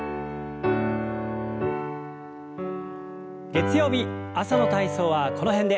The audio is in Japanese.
月曜日朝の体操はこの辺で。